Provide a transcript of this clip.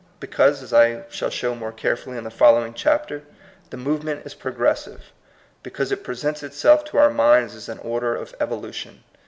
Because, as I shall show more carefully in the following chapter, the movement is progressive; because it presents itself to our minds as an order of evolution.